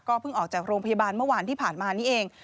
เพิ่งออกจากโรงพยาบาลเมื่อวานที่ผ่านมานี่เอง